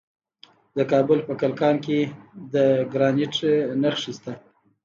د کابل په کلکان کې د ګرانیټ نښې شته.